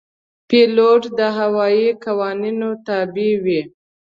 پیلوټ د هوايي قوانینو تابع وي.